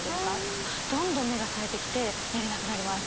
どんどん目がさえてきて寝れなくなります。